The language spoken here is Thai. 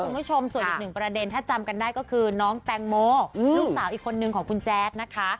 คุณผู้ชมส่วนอีกหนึ่งประเด็นถ้าจำกันได้ก็คือน้องแตงโมลูกสาวอีกคนนึงของคุณแจ๊ดนะคะ